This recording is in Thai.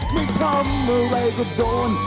ไม่ทำอะไรก็โดน